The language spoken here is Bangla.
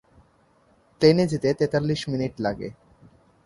প্লেনে যেতে তেতাল্লিশ মিনিট লাগে।